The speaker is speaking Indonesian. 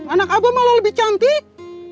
anak abu malah lebih cantik